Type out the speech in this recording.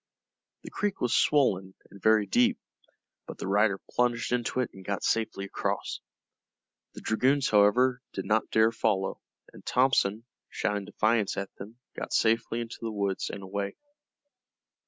The creek was swollen and very deep, but the rider plunged into it and got safely across. The dragoons, however, did not dare follow, and Thompson, shouting defiance at them, got safely into the woods and away.